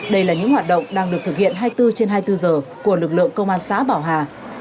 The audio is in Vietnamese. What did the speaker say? đây là những hoạt động đang được thực hiện hai mươi bốn trên hai mươi bốn giờ của lực lượng công an xã bảo hà